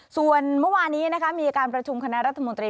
ส่วนเมื่อวานี้มีการประชุมคณะรัฐมนตรี